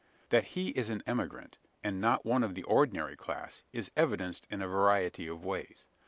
That he is an emigrant and not one of the ordinary class is evidenced in a variety of ways.